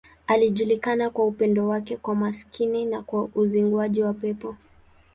Alijulikana kwa upendo wake kwa maskini na kwa uzinguaji wa pepo.